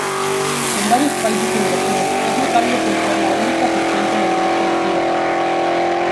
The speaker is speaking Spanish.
En varios países europeos es notable por ser la única serpiente venenosa nativa.